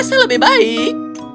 kau merasa lebih baik